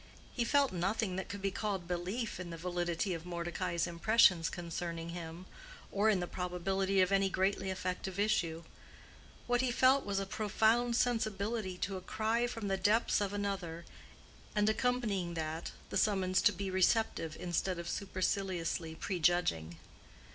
He felt nothing that could be called belief in the validity of Mordecai's impressions concerning him or in the probability of any greatly effective issue: what he felt was a profound sensibility to a cry from the depths of another and accompanying that, the summons to be receptive instead of superciliously prejudging.